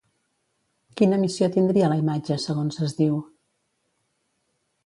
Quina missió tindria la imatge, segons es diu?